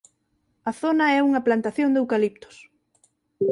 A zona é unha plantación de eucaliptos.